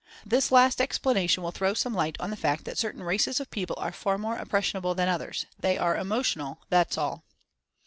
This last explanation will throw some light on the fact that certain races of people are far more "impressionable" than others — they are more Emo tiona 1 that's all.